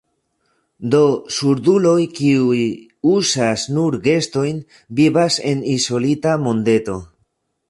Do, surduloj, kiuj uzas nur gestojn, vivas en izolita mondeto.